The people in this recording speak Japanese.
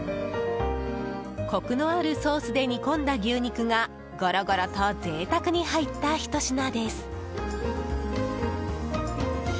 コクのあるソースで煮込んだ牛肉がゴロゴロと贅沢に入ったひと品です。